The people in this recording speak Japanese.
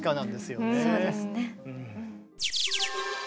そうですね。